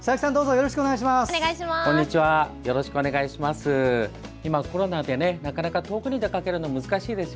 よろしくお願いします。